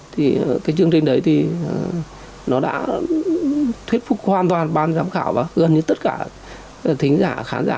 thì cái chương trình đấy thì nó đã thuyết phục hoàn toàn ban giám khảo và gần như tất cả thính giả khán giả